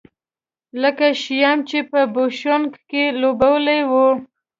لکه شیام چې په بوشونګ کې لوبولی و.